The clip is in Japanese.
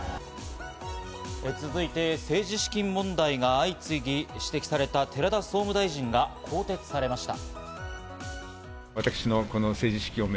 続いて政治資金問題が相次ぎ指摘された寺田総務大臣が更迭されました。